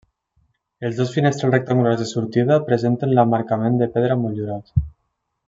Els dos finestrals rectangulars de sortida presenten l'emmarcament de pedra motllurat.